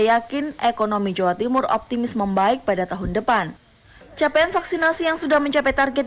yakin ekonomi jawa timur optimis membaik pada tahun depan capaian vaksinasi yang sudah mencapai target